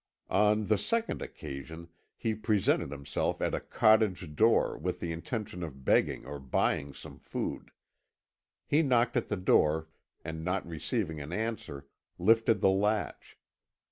On the second occasion he presented himself at a cottage door, with the intention of begging or buying some food. He knocked at the door, and not receiving an answer, lifted the latch.